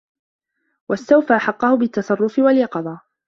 وَاسْتَوْفَى حَقَّهُ بِالتَّصَرُّفِ وَالْيَقِظَةِ